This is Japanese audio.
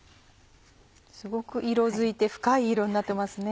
すごく色づいて深い色になってますね。